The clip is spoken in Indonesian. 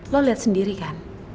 lo liat sendiri kan